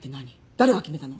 誰が決めたの？